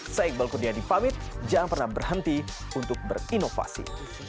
saya iqbal kurnia dipamit jangan pernah berhenti untuk berinovasi